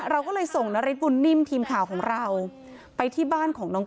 เราก็เลยส่งนฤทธบุญนิ่มทีมข่าวของเราไปที่บ้านของน้อง